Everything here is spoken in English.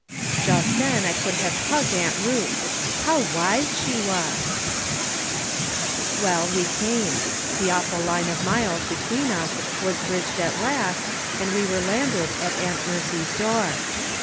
Just then I could have hugged Aunt Ruth. How wise she was ! Well, we came. The awful line of miles be tween us was bridged at last, and we were landed at Aunt Mercy's door.